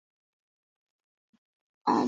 دا حکم وايي چې هر څوک د کرامت لرونکی دی.